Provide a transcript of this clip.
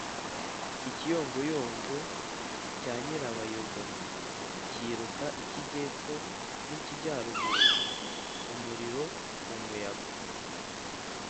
Ikiyongoyongo cya Nyirabayogoma kiruka ikijyepfo n'ikijyaruguru-Umuriro mu muyaga.